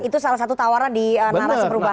itu salah satu tawaran di naraseperubahan ya